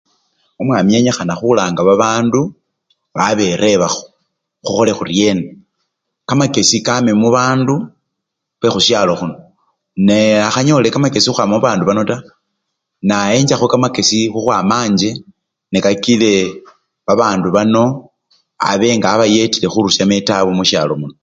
Omwami enyikhana khulanga babandu waberebakho khukhole khurye, kamakesi kame mubabdu bekhudyalo khuni nakhanyolile kamakesi mubandu bano taa, nayenchakho kamakesi khukhwama anche nekakile abandu bano Abe nga wabayetile khurusyawo etabu khusyalo khuno.